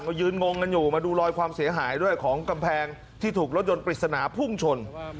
ก็ยืนงงกันอยู่มาดูรอยความเสียหายด้วยของกำแพงที่ถูกรถยนต์ปริศนาพุ่งชน